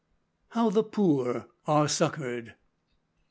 HOW THE POOR ARE SUCCOURED.